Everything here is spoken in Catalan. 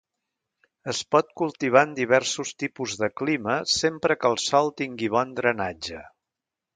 Es pot cultivar en diversos tipus de clima sempre que el sòl tingui bon drenatge.